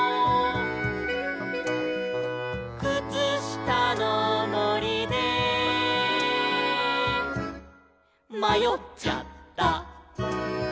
「くつしたのもりでまよっちゃった」